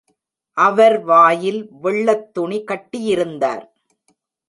அவர் வாயில் வெள்ளத் துணி கட்டியிருந்தார்.